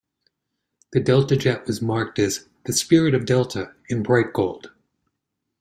The Delta jet was marked as "The Spirit of Delta" in bright gold.